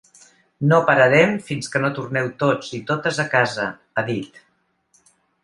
No pararem fins que no torneu tots i totes a casa, ha dit.